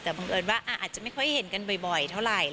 แต่บังเอิญว่าอาจจะไม่ค่อยเห็นกันบ่อยเท่าไหร่